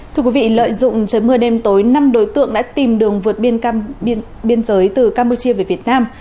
thưa quý vị lợi dụng trời mưa đêm tối năm đối tượng đã tìm đường vượt biên giới từ campuchia về việt nam